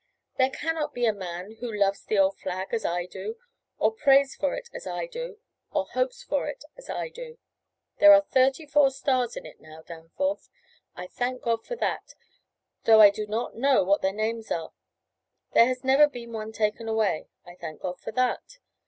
There cannot be a man who loves the old flag as I do, or prays for it as I do, or hopes for it as I do. There are thirty four stars in it now, Danforth. I thank God for that, though I do not know what their names are. There has never been one taken away: I thank God for that.